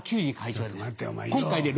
ちょっと待ってお前よ。